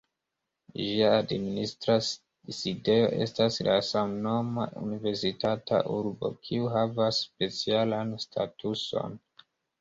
Ĝia administra sidejo estas la samnoma universitata urbo, kiu havas specialan statuson.